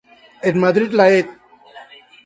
En Madrid la Ed.